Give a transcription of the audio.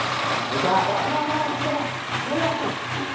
まだまだあった。